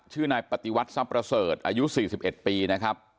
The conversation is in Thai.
ชื่อนายปฏิวัติทรัพย์ประเสริฐอายุ๔๑ปีนะครับ